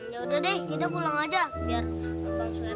ya udah deh kita pulang aja